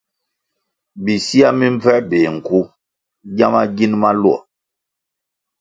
Bisiah mi mbvęr béh nku giama gin maluo.